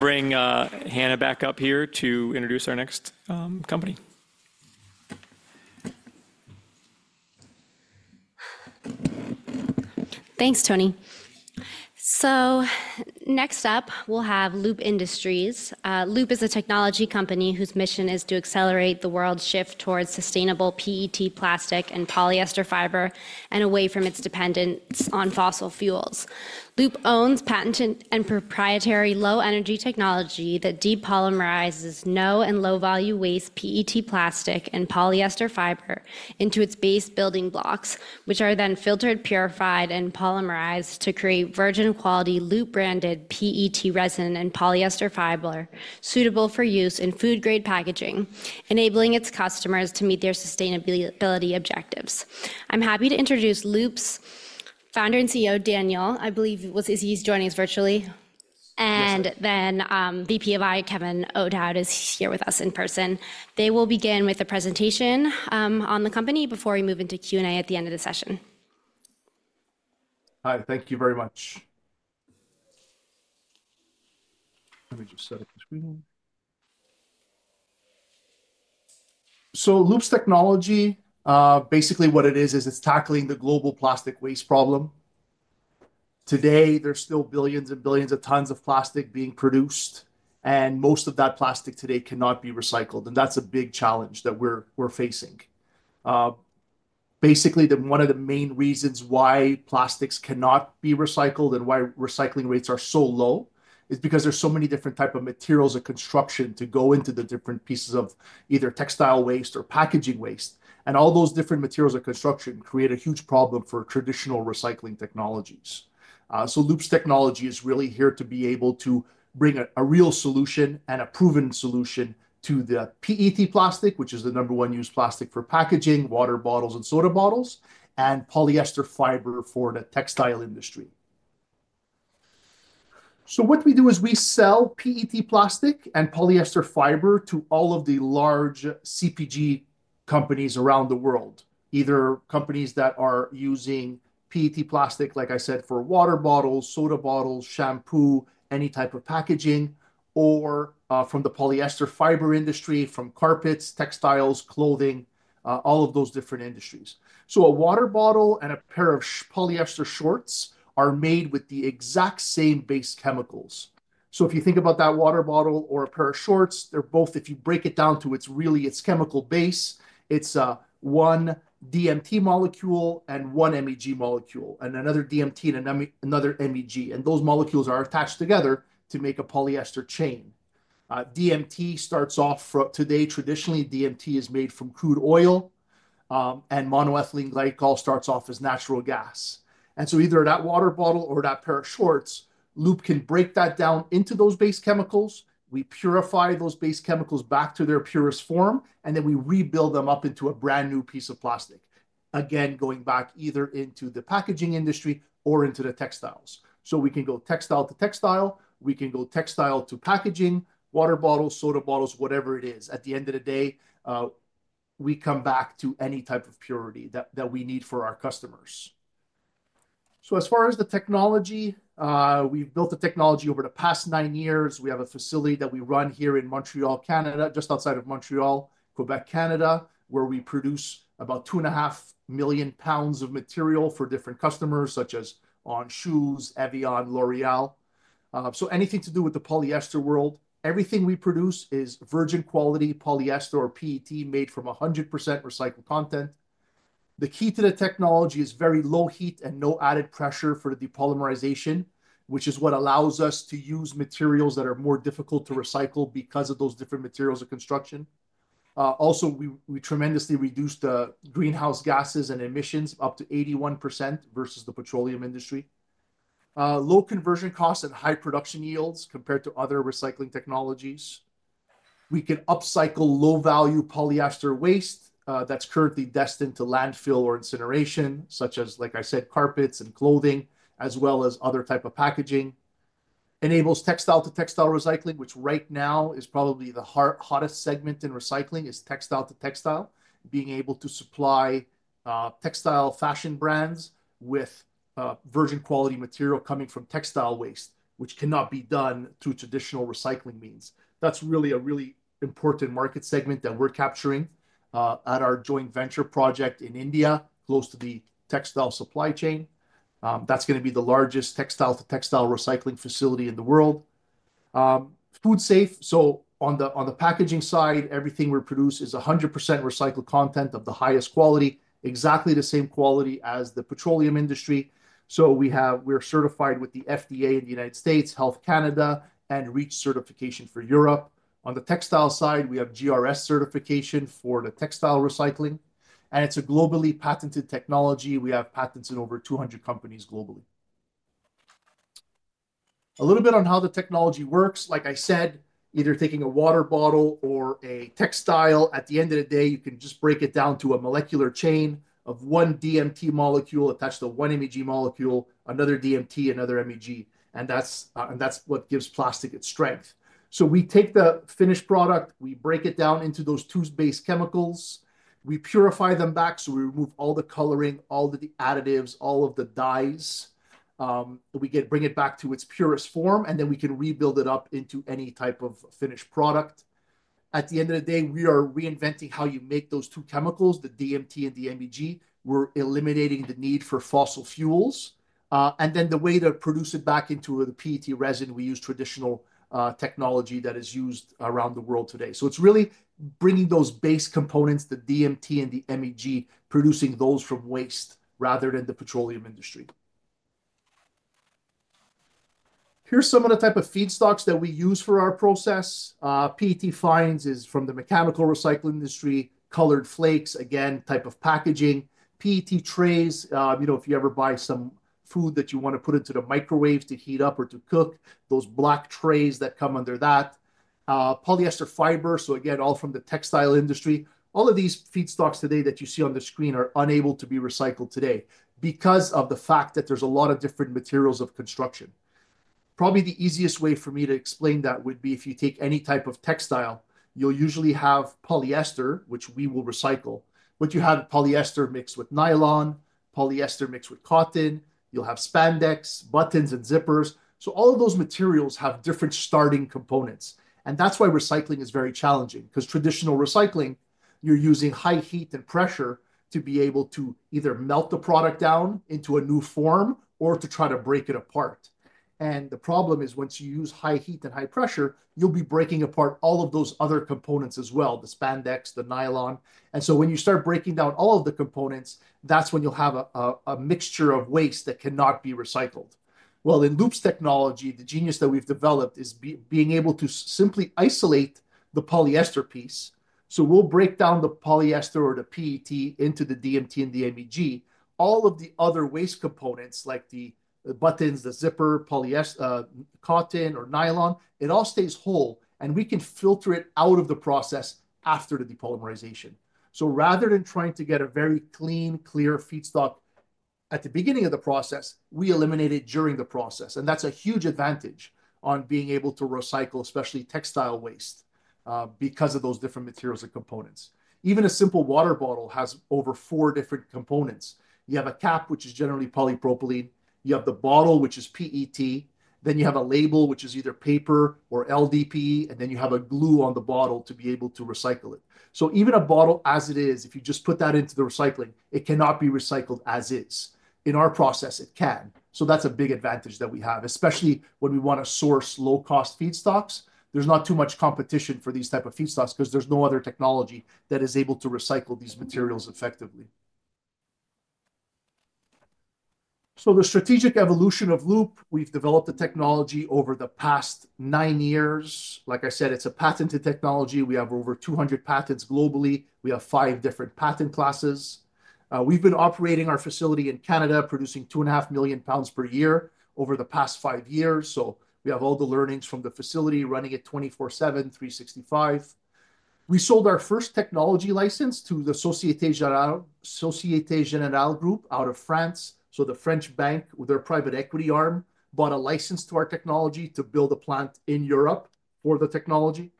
Bring Hannah back up here to introduce our next company. Thanks, Tony. Next up, we'll have Loop Industries. Loop is a technology company whose mission is to accelerate the world's shift towards sustainable PET plastic and polyester fiber, and away from its dependence on fossil fuels. Loop owns patented and proprietary low-energy technology that depolymerizes no and low-value waste PET plastic and polyester fiber into its base building blocks, which are then filtered, purified, and polymerized to create virgin-quality Loop-branded PET resin and polyester fiber suitable for use in food-grade packaging, enabling its customers to meet their sustainability objectives. I'm happy to introduce Loop's Founder and CEO, Daniel. I believe he's joining us virtually. The VP of Investor Relations, Kevin O'Dowd, is here with us in person. They will begin with a presentation on the company before we move into Q&A at the end of the session. Hi, thank you very much. Let me just set up the screen. Loop's technology, basically what it is, is it's tackling the global plastic waste problem. Today, there's still billions and billions of tons of plastic being produced, and most of that plastic today cannot be recycled. That's a big challenge that we're facing. Basically, one of the main reasons why plastics cannot be recycled and why recycling rates are so low is because there's so many different types of materials and construction to go into the different pieces of either textile waste or packaging waste. All those different materials and construction create a huge problem for traditional recycling technologies. Loop's technology is really here to be able to bring a real solution and a proven solution to the PET plastic, which is the number one used plastic for packaging, water bottles and soda bottles, and polyester fiber for the textile industry. What we do is we sell PET plastic and polyester fiber to all of the large CPG companies around the world, either companies that are using PET plastic, like I said, for water bottles, soda bottles, shampoo, any type of packaging, or from the polyester fiber industry, from carpets, textiles, clothing, all of those different industries. A water bottle and a pair of polyester shorts are made with the exact same base chemicals. If you think about that water bottle or a pair of shorts, they're both, if you break it down to its really its chemical base, it's one DMT molecule and one MEG molecule, and another DMT and another MEG. Those molecules are attached together to make a polyester chain. DMT starts off today. Traditionally, DMT is made from crude oil, and monoethylene glycol starts off as natural gas. Either that water bottle or that pair of shorts, Loop can break that down into those base chemicals. We purify those base chemicals back to their purest form, and then we rebuild them up into a brand new piece of plastic, again, going back either into the packaging industry or into the textiles. We can go textile to textile. We can go textile to packaging, water bottles, soda bottles, whatever it is. At the end of the day, we come back to any type of purity that we need for our customers. As far as the technology, we've built the technology over the past nine years. We have a facility that we run here in Montreal, Canada, just outside of Montreal, Quebec, Canada, where we produce about 2.5 million pounds of material for different customers, such as On Running shoes, Evian, L'Oréal. Anything to do with the polyester world, everything we produce is virgin quality polyester or PET made from 100% recycled content. The key to the technology is very low heat and no added pressure for the depolymerization, which is what allows us to use materials that are more difficult to recycle because of those different materials of construction. Also, we tremendously reduce the greenhouse gases and emissions up to 81% versus the petroleum industry. Low conversion costs and high production yields compared to other recycling technologies. We can upcycle low-value polyester waste that's currently destined to landfill or incineration, such as, like I said, carpets and clothing, as well as other types of packaging. Enables textile to textile recycling, which right now is probably the hottest segment in recycling, is textile to textile, being able to supply textile fashion brands with virgin quality material coming from textile waste, which cannot be done through traditional recycling means. That's really a really important market segment that we're capturing at our joint venture project in India, close to the textile supply chain. That's going to be the largest textile to textile recycling facility in the world. Food safe. On the packaging side, everything we produce is 100% recycled content of the highest quality, exactly the same quality as the petroleum industry. We are certified with the FDA in the United States, Health Canada, and REACH certification for Europe. On the textile side, we have GRS certification for the textile recycling. It is a globally patented technology. We have patents in over 200 countries globally. A little bit on how the technology works. Like I said, either taking a water bottle or a textile, at the end of the day, you can just break it down to a molecular chain of one DMT molecule attached to one MEG molecule, another DMT, another MEG. That is what gives plastic its strength. We take the finished product, we break it down into those two base chemicals. We purify them back. We remove all the coloring, all the additives, all of the dyes. We bring it back to its purest form, and then we can rebuild it up into any type of finished product. At the end of the day, we are reinventing how you make those two chemicals, the DMT and the MEG. We're eliminating the need for fossil fuels. The way to produce it back into the PET resin, we use traditional technology that is used around the world today. It is really bringing those base components, the DMT and the MEG, producing those from waste rather than the petroleum industry. Here are some of the type of feedstocks that we use for our process. PET fines is from the mechanical recycling industry, colored flakes, again, type of packaging. PET trays, if you ever buy some food that you want to put into the microwave to heat up or to cook, those black trays that come under that. Polyester fiber, so again, all from the textile industry. All of these feedstocks today that you see on the screen are unable to be recycled today because of the fact that there's a lot of different materials of construction. Probably the easiest way for me to explain that would be if you take any type of textile, you'll usually have polyester, which we will recycle. But you have polyester mixed with nylon, polyester mixed with cotton. You'll have spandex, buttons, and zippers. All of those materials have different starting components. That's why recycling is very challenging, because traditional recycling, you're using high heat and pressure to be able to either melt the product down into a new form or to try to break it apart. The problem is once you use high heat and high pressure, you'll be breaking apart all of those other components as well, the spandex, the nylon. When you start breaking down all of the components, that's when you'll have a mixture of waste that cannot be recycled. In Loop's technology, the genius that we've developed is being able to simply isolate the polyester piece. We break down the polyester or the PET into the DMT and the MEG. All of the other waste components, like the buttons, the zipper, cotton, or nylon, it all stays whole, and we can filter it out of the process after the depolymerization. Rather than trying to get a very clean, clear feedstock at the beginning of the process, we eliminate it during the process. That's a huge advantage on being able to recycle, especially textile waste, because of those different materials and components. Even a simple water bottle has over four different components. You have a cap, which is generally polypropylene. You have the bottle, which is PET. Then you have a label, which is either paper or LDPE, and then you have a glue on the bottle to be able to recycle it. Even a bottle as it is, if you just put that into the recycling, it cannot be recycled as is. In our process, it can. That's a big advantage that we have, especially when we want to source low-cost feedstocks. There's not too much competition for these types of feedstocks because there's no other technology that is able to recycle these materials effectively. The strategic evolution of Loop, we've developed the technology over the past nine years. Like I said, it's a patented technology. We have over 200 patents globally. We have five different patent classes. We've been operating our facility in Canada, producing 2.5 million pounds per year over the past five years. We have all the learnings from the facility running it 24/7, 365. We sold our first technology license to the Société Générale Group out of France. The French bank, their private equity arm, bought a license to our technology to build a plant in Europe for the technology.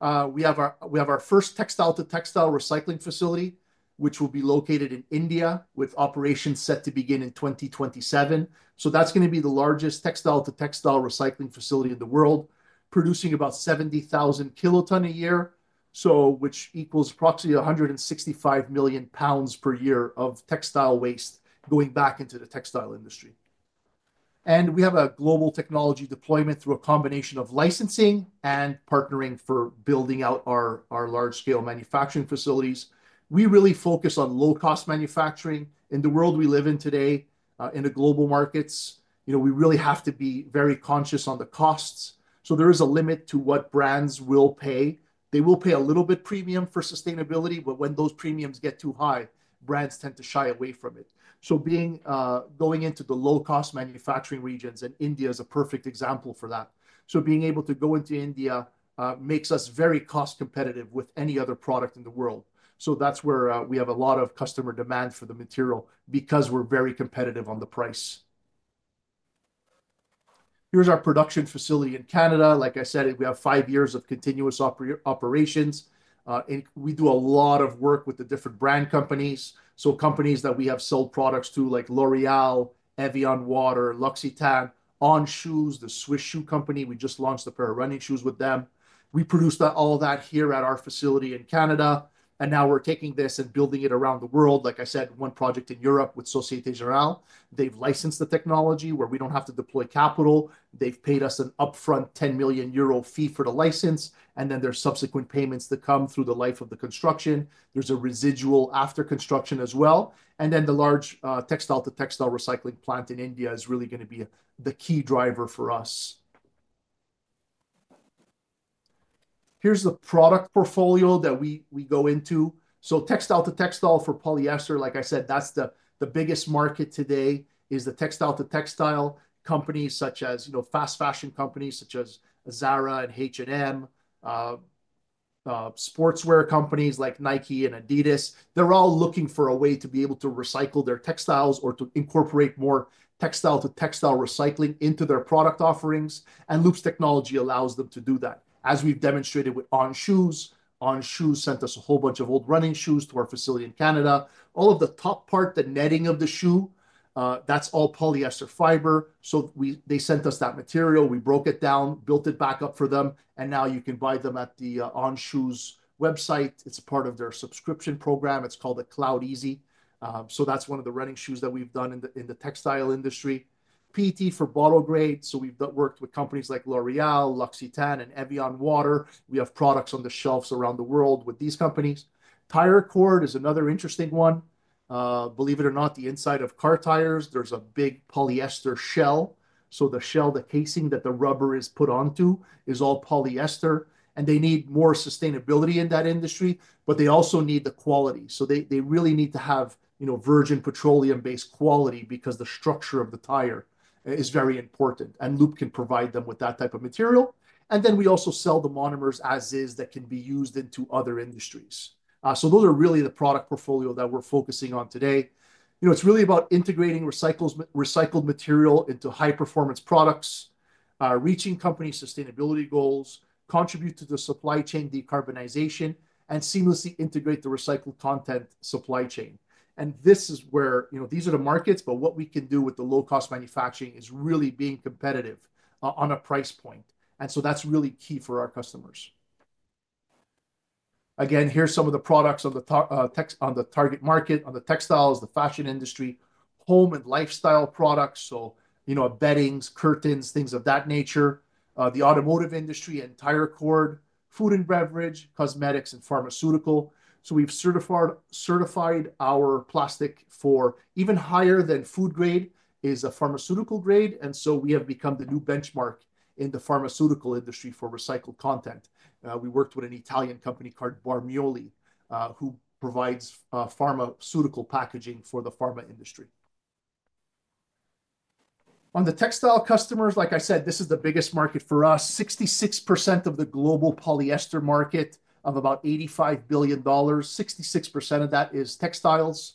We have our first textile-to-textile recycling facility, which will be located in India, with operations set to begin in 2027. That's going to be the largest textile-to-textile recycling facility in the world, producing about 70,000 tons a year, which equals approximately 165 million pounds per year of textile waste going back into the textile industry. We have a global technology deployment through a combination of licensing and partnering for building out our large-scale manufacturing facilities. We really focus on low-cost manufacturing. In the world we live in today, in the global markets, we really have to be very conscious of the costs. There is a limit to what brands will pay. They will pay a little bit premium for sustainability, but when those premiums get too high, brands tend to shy away from it. Going into the low-cost manufacturing regions, and India is a perfect example for that. Being able to go into India makes us very cost competitive with any other product in the world. That is where we have a lot of customer demand for the material because we are very competitive on the price. Here is our production facility in Canada. Like I said, we have five years of continuous operations. We do a lot of work with the different brand companies. Companies that we have sold products to, like L'Oréal, Evian, Water, L'Occitane, On Running, the Swiss shoe company. We just launched a pair of running shoes with them. We produce all that here at our facility in Canada. Now we are taking this and building it around the world. Like I said, one project in Europe with Société Générale, they have licensed the technology where we do not have to deploy capital. They've paid us an upfront 10 million euro fee for the license, and then there's subsequent payments that come through the life of the construction. There's a residual after construction as well. The large textile-to-textile recycling plant in India is really going to be the key driver for us. Here's the product portfolio that we go into. Textile-to-textile for polyester, like I said, that's the biggest market today is the textile-to-textile companies, such as fast fashion companies such as Zara and H&M, sportswear companies like Nike and Adidas. They're all looking for a way to be able to recycle their textiles or to incorporate more textile-to-textile recycling into their product offerings. Loop's technology allows them to do that, as we've demonstrated with On Running shoes. On Running sent us a whole bunch of old running shoes to our facility in Canada. All of the top part, the netting of the shoe, that's all polyester fiber. They sent us that material. We broke it down, built it back up for them. You can buy them at the On Shoes website. It is part of their subscription program. It is called the CloudEasy. That is one of the running shoes that we have done in the textile industry. PET for bottle grade. We have worked with companies like L'Oréal, L'Occitane, and Evian Water. We have products on the shelves around the world with these companies. Tire cord is another interesting one. Believe it or not, the inside of car tires, there is a big polyester shell. The shell, the casing that the rubber is put onto, is all polyester. They need more sustainability in that industry, but they also need the quality. They really need to have virgin petroleum-based quality because the structure of the tire is very important. Loop can provide them with that type of material. We also sell the monomers as-is that can be used into other industries. Those are really the product portfolio that we're focusing on today. It's really about integrating recycled material into high-performance products, reaching company sustainability goals, contributing to the supply chain decarbonization, and seamlessly integrating the recycled content supply chain. These are the markets, but what we can do with the low-cost manufacturing is really being competitive on a price point. That's really key for our customers. Again, here's some of the products on the target market, on the textiles, the fashion industry, home and lifestyle products. Beddings, curtains, things of that nature. The automotive industry, tire cord, food and beverage, cosmetics, and pharmaceutical. We have certified our plastic for even higher than food grade, it is a pharmaceutical grade. We have become the new benchmark in the pharmaceutical industry for recycled content. We worked with an Italian company called Bormioli, who provides pharmaceutical packaging for the pharma industry. On the textile customers, like I said, this is the biggest market for us. 66% of the global polyester market of about $85 billion, 66% of that is textiles.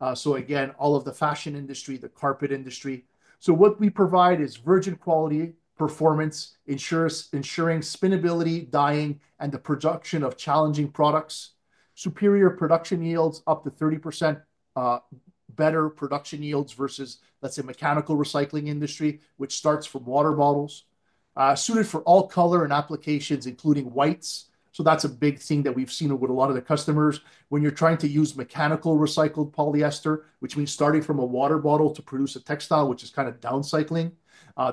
All of the fashion industry, the carpet industry. What we provide is virgin quality, performance, ensuring spinability, dyeing, and the production of challenging products. Superior production yields, up to 30% better production yields versus, let's say, the mechanical recycling industry, which starts from water bottles. Suited for all color and applications, including whites. That's a big thing that we've seen with a lot of the customers. When you're trying to use mechanical recycled polyester, which means starting from a water bottle to produce a textile, which is kind of downcycling,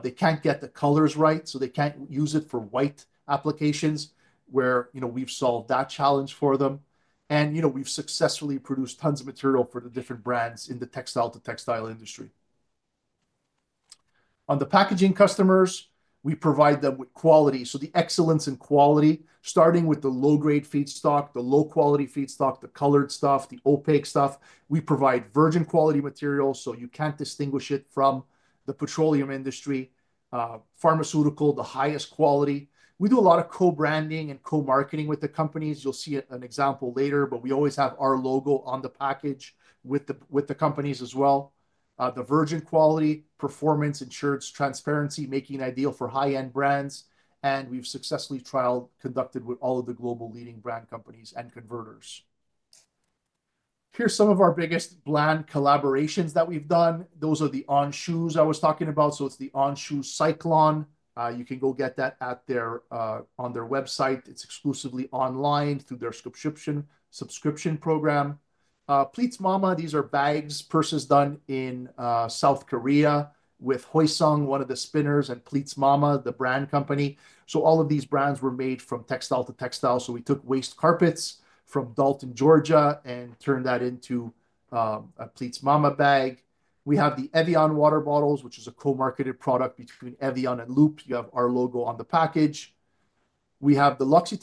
they can't get the colors right. They can't use it for white applications, where we've solved that challenge for them. We've successfully produced tons of material for the different brands in the textile-to-textile industry. On the packaging customers, we provide them with quality. The excellence and quality, starting with the low-grade feedstock, the low-quality feedstock, the colored stuff, the opaque stuff. We provide virgin quality material so you can't distinguish it from the petroleum industry, pharmaceutical, the highest quality. We do a lot of co-branding and co-marketing with the companies. You'll see an example later, but we always have our logo on the package with the companies as well. The virgin quality, performance, ensures transparency, making it ideal for high-end brands. We have successfully trialed, conducted with all of the global leading brand companies and converters. Here are some of our biggest brand collaborations that we have done. Those are the On Shoes I was talking about. It is the On Shoes Cyclon. You can go get that on their website. It is exclusively online through their subscription program. Pleats Mama, these are bags, purses done in South Korea with Hyosung, one of the spinners, and Pleats Mama, the brand company. All of these brands were made from textile to textile. We took waste carpets from Dalton, Georgia, and turned that into a Pleats Mama bag. We have the Evian water bottles, which is a co-marketed product between Evian and Loop. You have our logo on the package. We have the Lush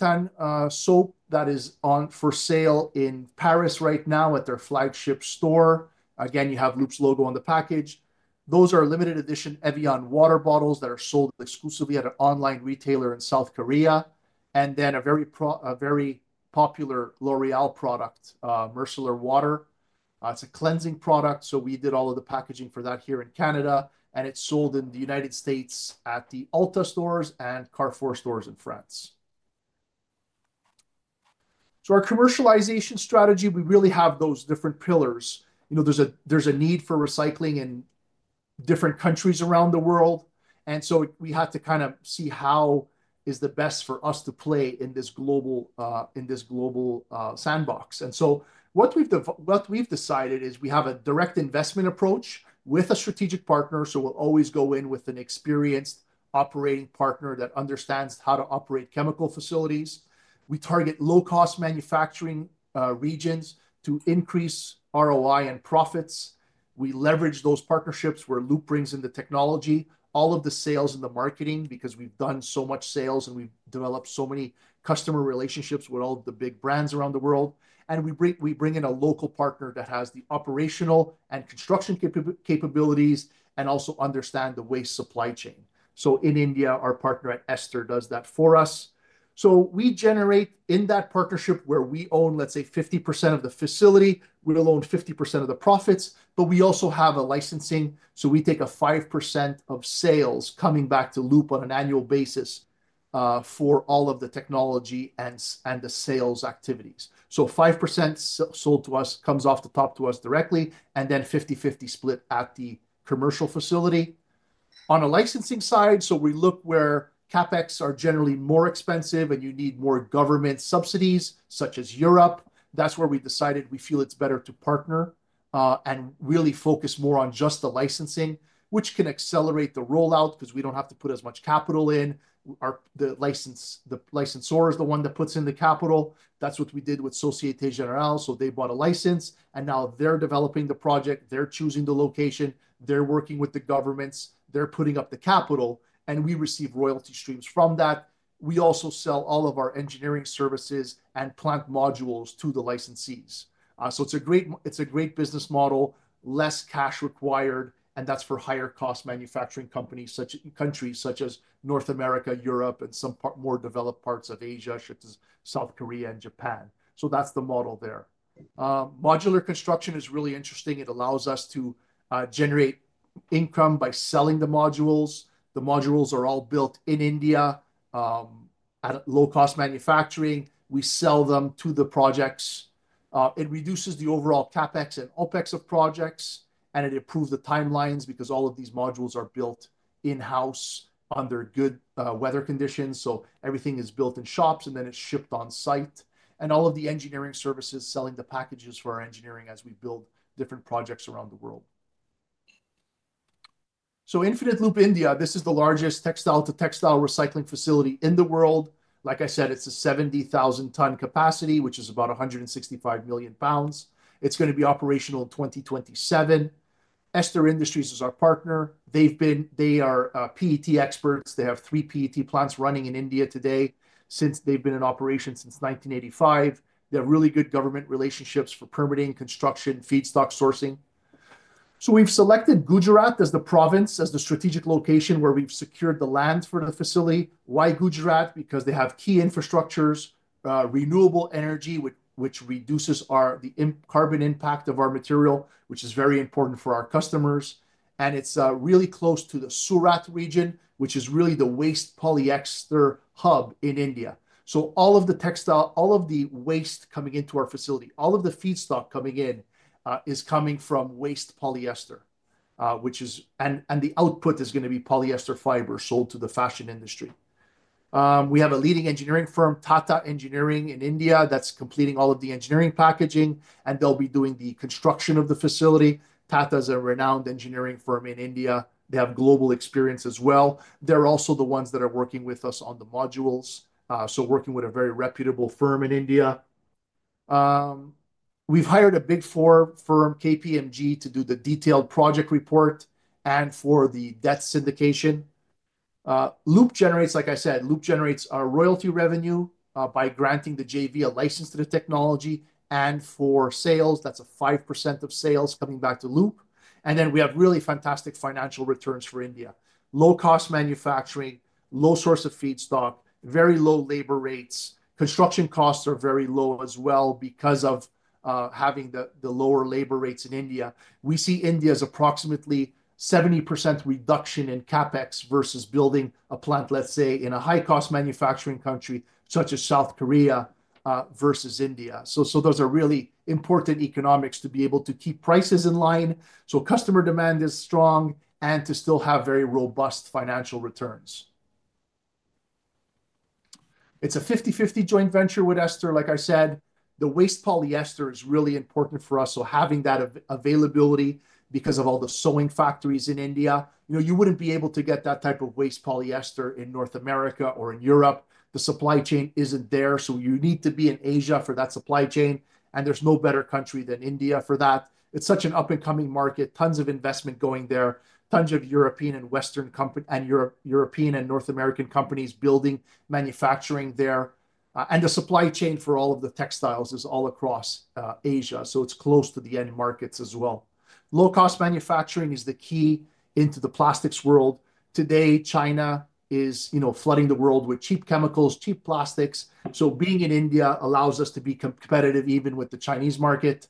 soap that is on for sale in Paris right now at their flagship store. Again, you have Loop's logo on the package. Those are limited edition Evian water bottles that are sold exclusively at an online retailer in South Korea. A very popular L'Oréal product, Men Expert Water. It's a cleansing product. We did all of the packaging for that here in Canada. It's sold in the United States at the Ulta stores and Carrefour stores in France. Our commercialization strategy, we really have those different pillars. There's a need for recycling in different countries around the world. We had to kind of see how is the best for us to play in this global sandbox. What we've decided is we have a direct investment approach with a strategic partner. We'll always go in with an experienced operating partner that understands how to operate chemical facilities. We target low-cost manufacturing regions to increase ROI and profits. We leverage those partnerships where Loop brings in the technology, all of the sales and the marketing, because we've done so much sales and we've developed so many customer relationships with all the big brands around the world. We bring in a local partner that has the operational and construction capabilities and also understands the waste supply chain. In India, our partner at Ester does that for us. We generate in that partnership where we own, let's say, 50% of the facility. We'll own 50% of the profits, but we also have a licensing. We take 5% of sales coming back to Loop on an annual basis for all of the technology and the sales activities. Five percent sold to us comes off the top to us directly, and then 50/50 split at the commercial facility. On a licensing side, we look where CapEx are generally more expensive and you need more government subsidies such as Europe. That is where we decided we feel it is better to partner and really focus more on just the licensing, which can accelerate the rollout because we do not have to put as much capital in. The licensor is the one that puts in the capital. That is what we did with Société Générale. They bought a license. Now they are developing the project. They are choosing the location. They are working with the governments. They are putting up the capital. We receive royalty streams from that. We also sell all of our engineering services and plant modules to the licensees. It's a great business model, less cash required, and that's for higher-cost manufacturing countries such as North America, Europe, and some more developed parts of Asia, such as South Korea and Japan. That's the model there. Modular construction is really interesting. It allows us to generate income by selling the modules. The modules are all built in India at low-cost manufacturing. We sell them to the projects. It reduces the overall CapEx and OpEx of projects, and it improves the timelines because all of these modules are built in-house under good weather conditions. Everything is built in shops, and then it's shipped on site. All of the engineering services selling the packages for our engineering as we build different projects around the world. Infinite Loop India, this is the largest textile-to-textile recycling facility in the world. Like I said, it's a 70,000-ton capacity, which is about 165 million pounds. It's going to be operational in 2027. Ester Industries is our partner. They are PET experts. They have three PET plants running in India today since they've been in operation since 1985. They have really good government relationships for permitting, construction, feedstock sourcing. We have selected Gujarat as the province, as the strategic location where we've secured the land for the facility. Why Gujarat? Because they have key infrastructures, renewable energy, which reduces the carbon impact of our material, which is very important for our customers. It is really close to the Surat region, which is really the waste polyester hub in India. All of the textile, all of the waste coming into our facility, all of the feedstock coming in is coming from waste polyester, which is, and the output is going to be polyester fiber sold to the fashion industry. We have a leading engineering firm, Tata Consulting Engineers in India, that's completing all of the engineering packaging, and they'll be doing the construction of the facility. Tata is a renowned engineering firm in India. They have global experience as well. They're also the ones that are working with us on the modules. Working with a very reputable firm in India. We've hired a Big Four firm, KPMG, to do the detailed project report and for the debt syndication. Loop generates, like I said, Loop generates our royalty revenue by granting the JV a license to the technology. For sales, that's a 5% of sales coming back to Loop. We have really fantastic financial returns for India. Low-cost manufacturing, low source of feedstock, very low labor rates. Construction costs are very low as well because of having the lower labor rates in India. We see India's approximately 70% reduction in CapEx versus building a plant, let's say, in a high-cost manufacturing country such as South Korea versus India. Those are really important economics to be able to keep prices in line, so customer demand is strong, and to still have very robust financial returns. It's a 50/50 joint venture with Ester. Like I said, the waste polyester is really important for us. Having that availability because of all the sewing factories in India, you wouldn't be able to get that type of waste polyester in North America or in Europe. The supply chain isn't there. You need to be in Asia for that supply chain. There is no better country than India for that. It is such an up-and-coming market. Tons of investment going there. Tons of European and Western companies and European and North American companies building manufacturing there. The supply chain for all of the textiles is all across Asia. It is close to the end markets as well. Low-cost manufacturing is the key into the plastics world. Today, China is flooding the world with cheap chemicals, cheap plastics. Being in India allows us to be competitive even with the Chinese market.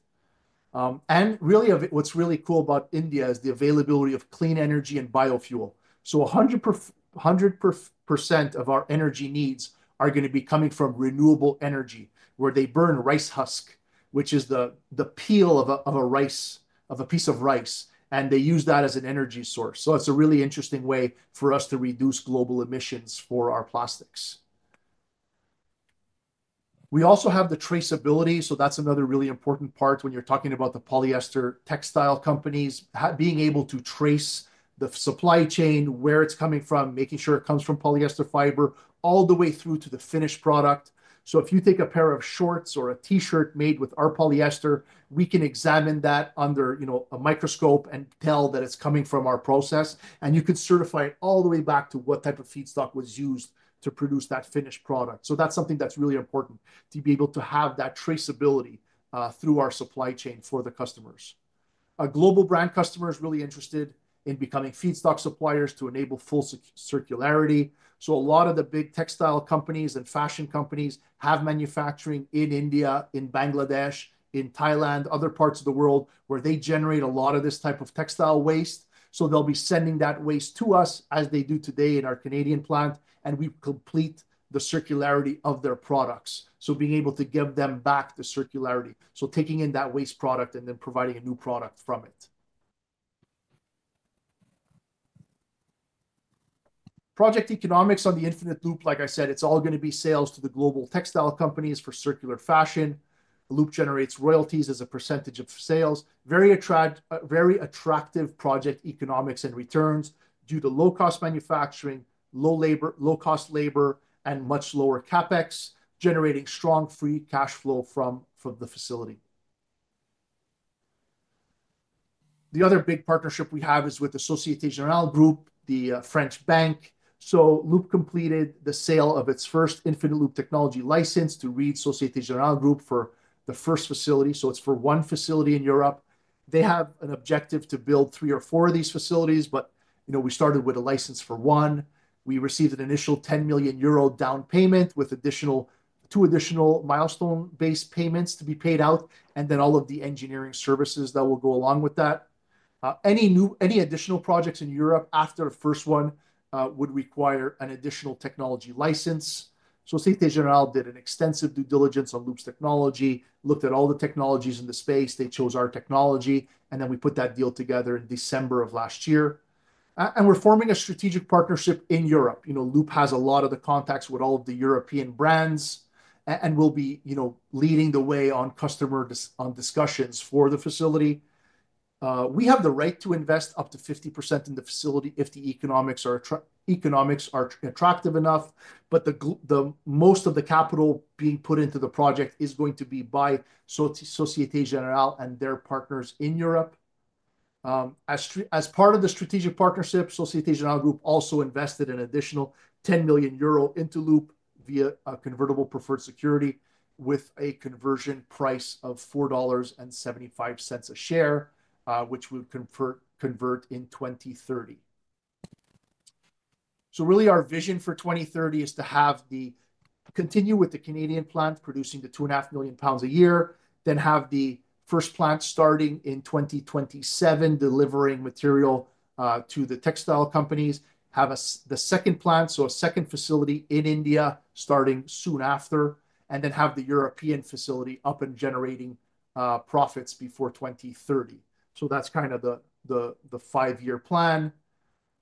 What is really cool about India is the availability of clean energy and biofuel. 100% of our energy needs are going to be coming from renewable energy, where they burn rice husk, which is the peel of a piece of rice. They use that as an energy source. It is a really interesting way for us to reduce global emissions for our plastics. We also have the traceability. That is another really important part when you are talking about the polyester textile companies, being able to trace the supply chain, where it is coming from, making sure it comes from polyester fiber, all the way through to the finished product. If you take a pair of shorts or a T-shirt made with our polyester, we can examine that under a microscope and tell that it is coming from our process. You can certify it all the way back to what type of feedstock was used to produce that finished product. That is something that is really important to be able to have that traceability through our supply chain for the customers. Global brand customers are really interested in becoming feedstock suppliers to enable full circularity. A lot of the big textile companies and fashion companies have manufacturing in India, in Bangladesh, in Thailand, other parts of the world where they generate a lot of this type of textile waste. They will be sending that waste to us as they do today in our Canadian plant, and we complete the circularity of their products. Being able to give them back the circularity, taking in that waste product and then providing a new product from it. Project economics on the Infinite Loop, like I said, it's all going to be sales to the global textile companies for circular fashion. Loop generates royalties as a percentage of sales. Very attractive project economics and returns due to low-cost manufacturing, low-cost labor, and much lower CapEx, generating strong free cash flow from the facility. The other big partnership we have is with the Société Générale Group, the French bank. Loop completed the sale of its first Infinite Loop technology license to Société Générale Group for the first facility. It is for one facility in Europe. They have an objective to build three or four of these facilities, but we started with a license for one. We received an initial 10 million euro down payment with two additional milestone-based payments to be paid out, and then all of the engineering services that will go along with that. Any additional projects in Europe after the first one would require an additional technology license. Société Générale did an extensive due diligence on Loop's technology, looked at all the technologies in the space. They chose our technology, and we put that deal together in December of last year. We are forming a strategic partnership in Europe. Loop has a lot of the contacts with all of the European brands and will be leading the way on customer discussions for the facility. We have the right to invest up to 50% in the facility if the economics are attractive enough, but most of the capital being put into the project is going to be by Société Générale and their partners in Europe. As part of the strategic partnership, Société Générale Group also invested an additional 10 million euro into Loop via a convertible preferred security with a conversion price of $4.75 a share, which will convert in 2030. Really, our vision for 2030 is to continue with the Canadian plant producing the 2.5 million pounds a year, then have the first plant starting in 2027, delivering material to the textile companies, have the second plant, so a second facility in India starting soon after, and then have the European facility up and generating profits before 2030. That is kind of the five-year plan.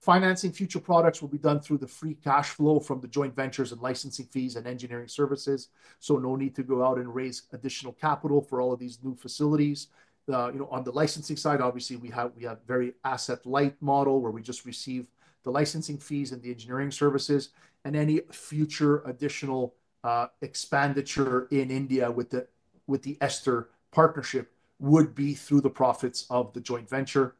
Financing future products will be done through the free cash flow from the joint ventures and licensing fees and engineering services. There is no need to go out and raise additional capital for all of these new facilities. On the licensing side, obviously, we have a very asset-light model where we just receive the licensing fees and the engineering services. Any future additional expenditure in India with the Ester partnership would be through the profits of the joint venture.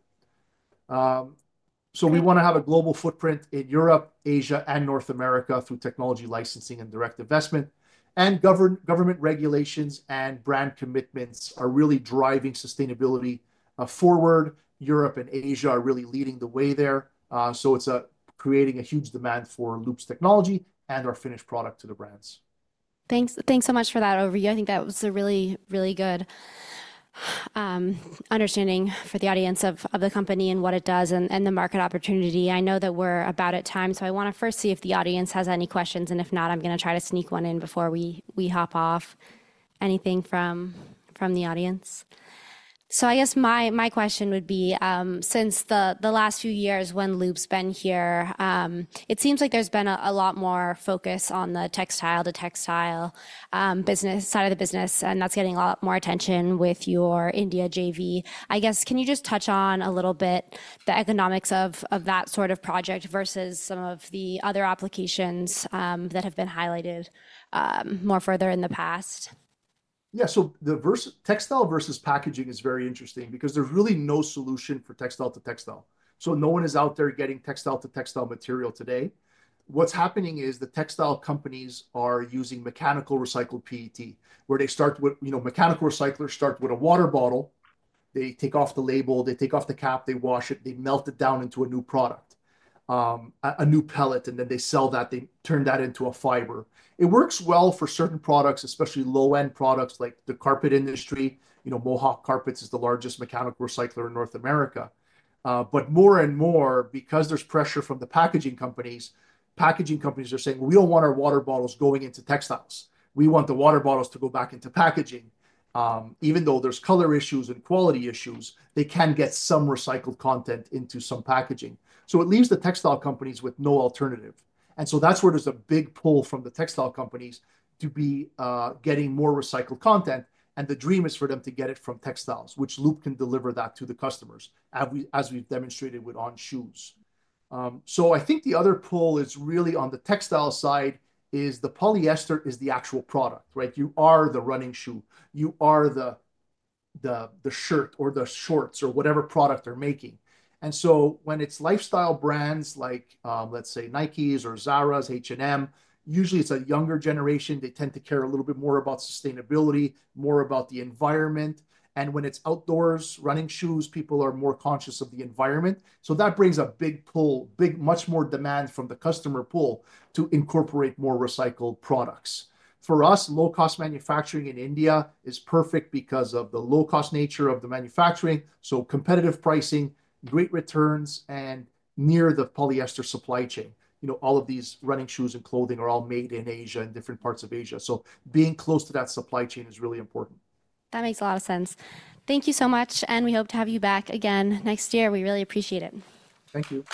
We want to have a global footprint in Europe, Asia, and North America through technology licensing and direct investment. Government regulations and brand commitments are really driving sustainability forward. Europe and Asia are really leading the way there. It is creating a huge demand for Loop's technology and our finished product to the brands. Thanks so much for that overview. I think that was a really, really good understanding for the audience of the company and what it does and the market opportunity. I know that we're about at time, so I want to first see if the audience has any questions. If not, I'm going to try to sneak one in before we hop off. Anything from the audience? I guess my question would be, since the last few years when Loop's been here, it seems like there's been a lot more focus on the textile-to-textile side of the business, and that's getting a lot more attention with your India JV. I guess, can you just touch on a little bit the economics of that sort of project versus some of the other applications that have been highlighted more further in the past? Yeah, textile versus packaging is very interesting because there's really no solution for textile-to-textile. No one is out there getting textile-to-textile material today. What's happening is the textile companies are using mechanical recycled PET, where they start with mechanical recyclers start with a water bottle. They take off the label, they take off the cap, they wash it, they melt it down into a new product, a new pellet, and then they sell that. They turn that into a fiber. It works well for certain products, especially low-end products like the carpet industry. Mohawk Industries is the largest mechanical recycler in North America. More and more, because there is pressure from the packaging companies, packaging companies are saying, "We do not want our water bottles going into textiles. We want the water bottles to go back into packaging." Even though there are color issues and quality issues, they can get some recycled content into some packaging. It leaves the textile companies with no alternative. That is where there is a big pull from the textile companies to be getting more recycled content. The dream is for them to get it from textiles, which Loop can deliver that to the customers, as we've demonstrated with On Running shoes. I think the other pull is really on the textile side is the polyester is the actual product. You are the running shoe. You are the shirt or the shorts or whatever product they're making. When it's lifestyle brands like, let's say, Nike or Zara, H&M, usually it's a younger generation. They tend to care a little bit more about sustainability, more about the environment. When it's outdoors, running shoes, people are more conscious of the environment. That brings a big pull, much more demand from the customer pool to incorporate more recycled products. For us, low-cost manufacturing in India is perfect because of the low-cost nature of the manufacturing. Competitive pricing, great returns, and near the polyester supply chain. All of these running shoes and clothing are all made in Asia and different parts of Asia. Being close to that supply chain is really important. That makes a lot of sense. Thank you so much. We hope to have you back again next year. We really appreciate it. Thank you.